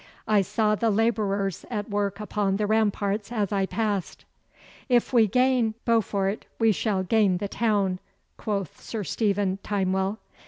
I saw the labourers at work upon the ramparts as I passed.' 'If we gain Beaufort we shall gain the town,' quoth Sir Stephen Timewell.